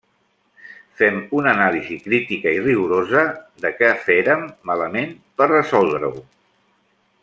Fem una anàlisi crítica i rigorosa de què férem malament per resoldre-ho.